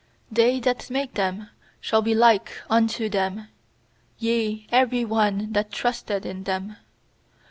They that make them shall be like unto them; Yea, every one that trusteth in them.